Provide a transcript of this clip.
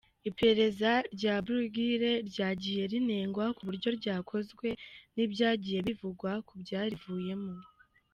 Iperereza rya Bruguière ryagiye rinengwa ku buryo ryakozwe n’ibyagiye bivugwa ko byarivuyemo.